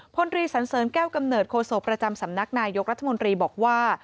พลตรีสันเสริญแก้วกำเนิดโศกประจำสำนักนายยกรัฐมนตรีบอกว่า